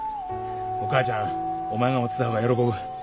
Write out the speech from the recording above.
お母ちゃんお前が持ってた方が喜ぶ。